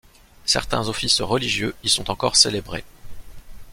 Certains offices religieux y sont encore célébrés.